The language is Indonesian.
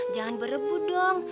jangan berebut dong